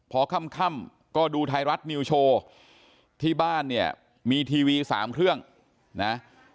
พอค่ำก็ดูไทยรัฐนิวโชว์ที่บ้านเนี่ยมีทีวีสามเครื่องนะ